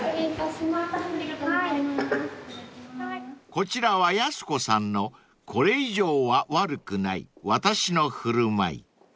［こちらはやす子さんのこれ以上は悪くない私のふるまい］